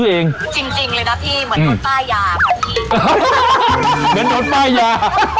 เเหล่ะอีกเป็นมันกินมา